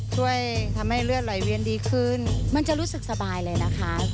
ช่วยทำให้เลือดไหลเวียนดีขึ้นมันจะรู้สึกสบายเลยนะคะ